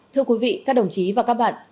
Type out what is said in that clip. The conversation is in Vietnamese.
thưa quý vị các đồng chí và các bạn